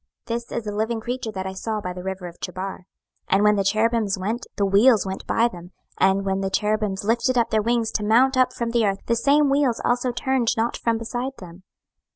This is the living creature that I saw by the river of Chebar. 26:010:016 And when the cherubims went, the wheels went by them: and when the cherubims lifted up their wings to mount up from the earth, the same wheels also turned not from beside them.